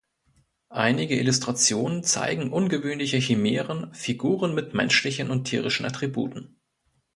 Einige Illustrationen zeigen ungewöhnliche Chimären, Figuren mit menschlichen und tierischen Attributen.